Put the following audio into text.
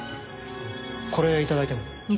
これ頂いても？